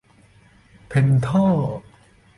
เพ็นท่อ